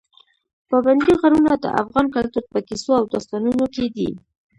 پابندي غرونه د افغان کلتور په کیسو او داستانونو کې دي.